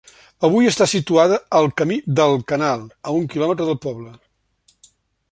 Avui està situada al camí del Canal, a un quilòmetre del poble.